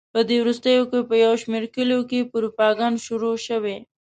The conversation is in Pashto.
په دې وروستیو کې په یو شمېر کلیو کې پروپاګند شروع شوی.